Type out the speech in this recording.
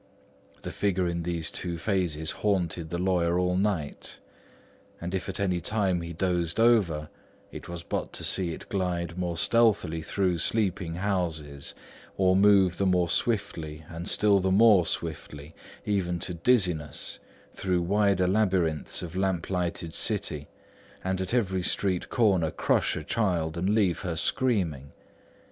The figure in these two phases haunted the lawyer all night; and if at any time he dozed over, it was but to see it glide more stealthily through sleeping houses, or move the more swiftly and still the more swiftly, even to dizziness, through wider labyrinths of lamplighted city, and at every street corner crush a child and leave her screaming.